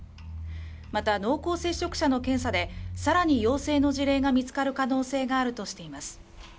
また濃厚接触者の検査で更に陽性の事例が見つかる可能性があるとしています。